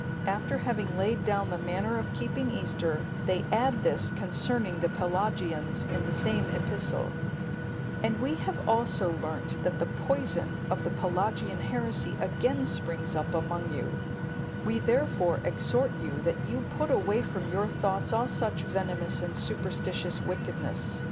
After having laid down the manner of keeping Easter, they add this concerning the Pelagians in the same epistle: "And we have also learnt that the poison of the Pelagian heresy again springs up among you; we, therefore, exhort you, that you put away from your thoughts all such venomous and superstitious wickedness.